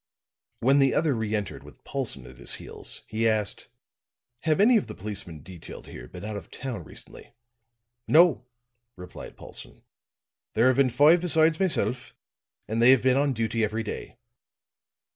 When the other re entered with Paulson at his heels, he asked: "Have any of the policemen detailed here been out of town recently?" "No," replied Paulson. "There have been five besides myself, and they have been on duty every day."